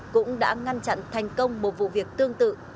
cũng đã ngăn chặn thành công một vụ việc tương tự